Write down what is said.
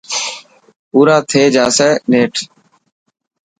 پورا ٿي جاسي نيٺ.